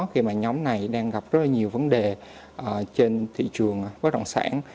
khi mà nhóm này đang gặp rất nhiều vấn đề trên thị trường bất đồng sản